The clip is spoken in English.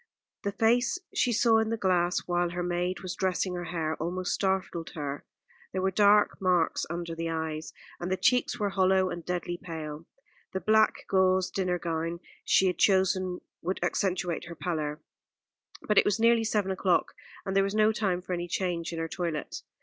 The face she saw in the glass while her maid was dressing her hair almost startled her. There were dark marks under the eyes, and the cheeks were hollow and deadly pale. The black gauze dinner gown she had chosen would accentuate her pallor; but it was nearly seven o'clock, and there was no time for any change in her toilet.